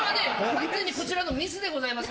完全にこちらのミスでございます。